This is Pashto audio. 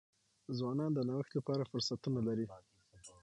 ځوانان د نوښت لپاره فرصتونه لري.